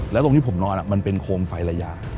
แล้วตรงที่ผมนอนมันเป็นโคมไฟระยะ